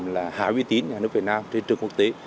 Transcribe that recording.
là hạ uy tín nhà nước việt nam trên trường quốc tế